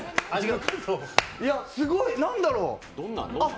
いや、すごい何だろう。